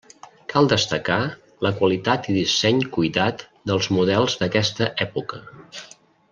Cal destacar la qualitat i disseny cuidat dels models d'aquesta època.